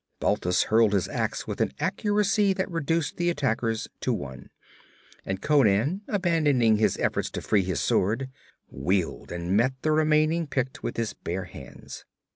Balthus hurled his ax with an accuracy that reduced the attackers to one, and Conan, abandoning his efforts to free his sword, wheeled and met the remaining Pict with his bare hands.